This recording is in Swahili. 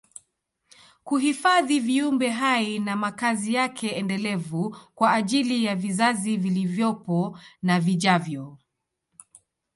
kuhifadhi viumbe hai na makazi yake endelevu kwa ajili ya vizazi vilivyopo na vijavyo